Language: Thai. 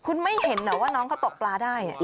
คุณไม่เห็นเหรอว่าน้องเขาตกปลาได้